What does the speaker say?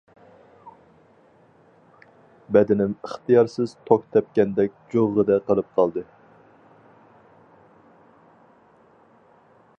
بەدىنىم ئىختىيارسىز توك تەپكەندەك جۇغغىدە قىلىپ قالدى.